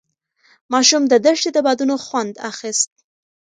ماشوم د دښتې د بادونو خوند اخیست.